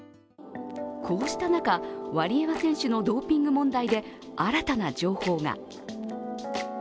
こうした中、ワリエワ選手のドーピング問題で新たな情報が。